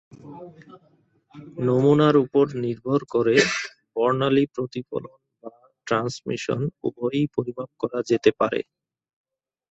নমুনার উপর নির্ভর করে বর্ণালী প্রতিফলন বা ট্রান্সমিশন উভয়ই পরিমাপ করা যেতে পারে।